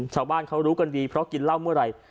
ชาวบ้านเขารู้กันดีเพราะกินเหล้าเมื่อไหร่